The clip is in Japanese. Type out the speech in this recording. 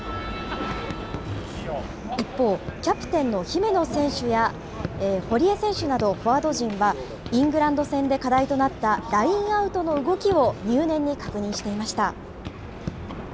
一方、キャプテンの姫野選手や、堀江選手などフォワード陣は、イングランド戦で課題となったラインアウトの動きを入念に確認していました。